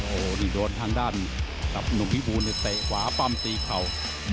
โอ้นี่โดนทางด้านนุ่มพี่บูนเตะหวะปำตีเข่า